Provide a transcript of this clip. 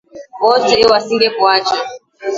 Wote wasingekuacha